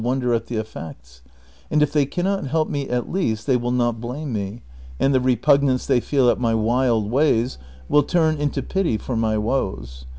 217 wonder at tlie effects ; and if they can not help me at least they will not blame nie, and the repugnance they feel at my wild ways will turn into pity for my woes.